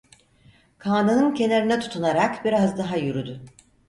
Kağnının kenarına tutunarak biraz daha yürüdü.